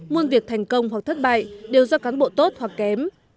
muôn việc thành công hoặc thất bại đều do cán bộ tốt hoặc kém